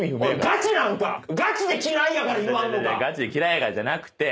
ガチなんか⁉ガチで嫌いやからじゃなくて。